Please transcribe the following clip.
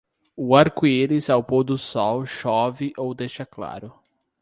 O arco-íris ao pôr do sol chove ou deixa claro.